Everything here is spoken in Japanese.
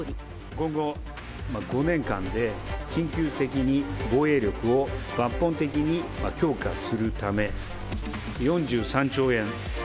今後５年間で、緊急的に防衛力を抜本的に強化するため、４３兆円。